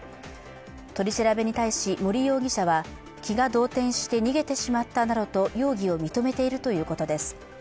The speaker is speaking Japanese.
取り調べに対し、森容疑者は気が動転して逃げてしまったなどと容疑を認めているということです。